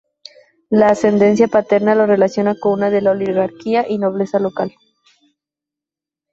La ascendencia paterna lo relaciona con una de la oligarquía y nobleza local.